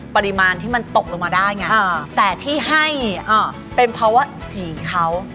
ปริมาณที่มันตกลงมาได้ไงแต่ที่ให้เป็นเพราะว่าสีเขา